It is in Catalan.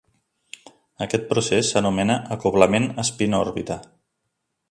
Aquest procés s'anomena acoblament spin-òrbita.